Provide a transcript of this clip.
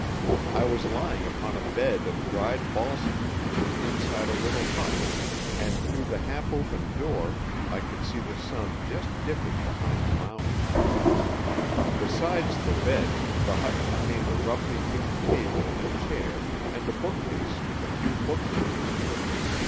I was lying upon a bed of dried balsam leaves inside a little hut, and through the half open door I could see the sun just dipping behind the mountains. Besides the bed the hut contained a roughly hewn table and chair and a bookcase with a few books in it.